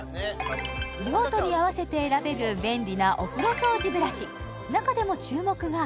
用途に合わせて選べる便利なお風呂掃除ブラシ中でも注目が